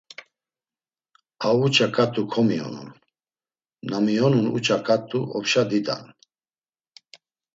A uça ǩat̆u komiyonun; na miyonun uça ǩat̆u opşa dida’n.